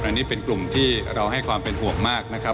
อันนี้เป็นกลุ่มที่เราให้ความเป็นห่วงมากนะครับ